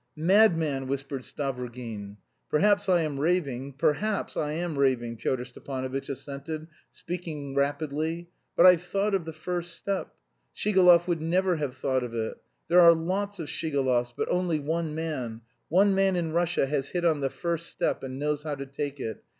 "Madman!" whispered Stavrogin. "Perhaps I am raving; perhaps I am raving," Pyotr Stepanovitch assented, speaking rapidly. "But I've thought of the first step! Shigalov would never have thought of it. There are lots of Shigalovs, but only one man, one man in Russia has hit on the first step and knows how to take it.